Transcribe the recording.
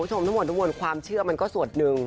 ทั้งหมดทั้งหมดความเชื่อมันก็ส่วนหนึ่ง